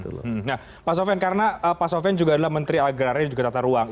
nah pak sofyan karena pak sofyan juga adalah menteri agraria dan juga tata ruang